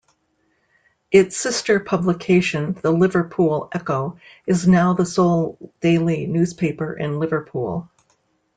Its sister publication, the "Liverpool Echo", is now the sole daily newspaper in Liverpool.